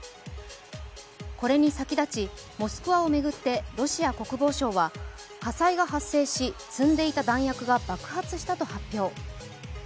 これに先立ちモスクワを巡ってロシア国防省は火災が発生し、積んでいた弾薬が爆発したと発表。